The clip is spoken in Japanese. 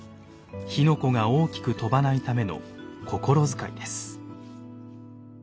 火の粉が大きく飛ばないための心遣いです。